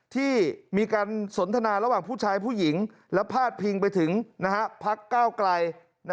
ที่มีการสนทนาระหว่างผู้ชายผู้หญิงและพาดพิงไปถึงพักก้าวไกล